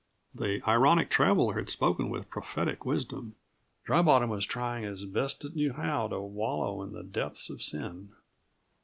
The ironic traveler had spoken with prophetic wisdom. Dry Bottom was trying as best it knew how to wallow in the depths of sin.